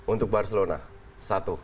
untuk barcelona satu